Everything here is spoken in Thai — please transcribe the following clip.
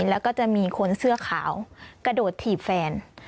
แล้วก็จะมีคนเสื้อขาวกระโดดถีบแฟน